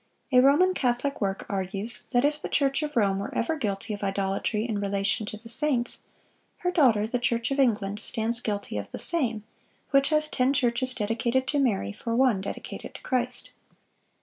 A Roman Catholic work argues that "if the Church of Rome were ever guilty of idolatry in relation to the saints, her daughter, the Church of England, stands guilty of the same, which has ten churches dedicated to Mary for one dedicated to Christ."